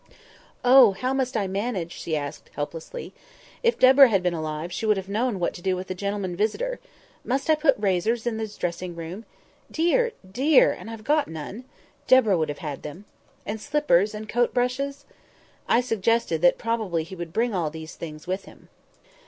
"Oh! how must I manage?" asked she helplessly. "If Deborah had been alive she would have known what to do with a gentleman visitor. Must I put razors in his dressing room? Dear! dear! and I've got none. Deborah would have had them. And slippers, and coat brushes?" I suggested that probably he would bring all these things with him.